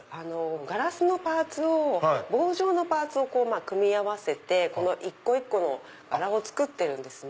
ガラスのパーツを棒状のパーツを組み合わせて一個一個の柄を作ってるんですね。